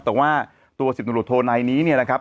แต่ว่าตัวสิบหนุ่มโทนายนี้นะครับ